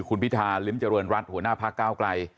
คุณพิธาริมเจริญรัฐหัวหน้าพักก้าวไกล